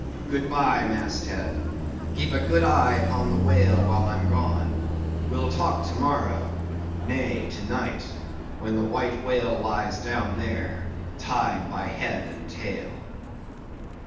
Good bye, mast head—keep a good eye upon the whale, the while I'm gone. We'll talk to morrow, nay, to night, when the white whale lies down there, tied by head and tail."